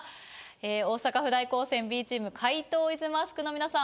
大阪府大高専Ｂチーム怪盗イズマスクの皆さん